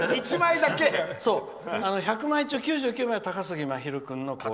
１００枚中９９枚は高杉真宙君の。